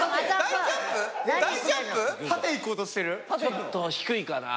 ちょっと低いかな。